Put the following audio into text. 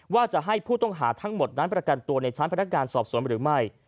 ว่าจะให้ผู้ต้องหาทั้งหมดนั้นประกันตัวในชั้นพนักงานสอบสวนหรือไม่